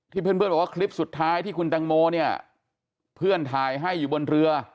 เพื่อนบอกว่าคลิปสุดท้ายที่คุณตังโมเนี่ยเพื่อนถ่ายให้อยู่บนเรือ